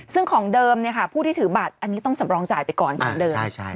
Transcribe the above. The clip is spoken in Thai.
ซึ่งของเดิมผู้ที่ถือบัตรอันนี้ต้องสำรองจ่ายไปก่อนของเดิม